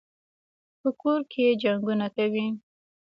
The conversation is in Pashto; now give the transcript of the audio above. په کور کي جنګونه کوي.